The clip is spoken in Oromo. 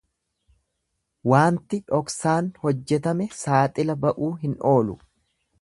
Waanti dhoksaan hojjetame saaxila ba'uu hin oolu.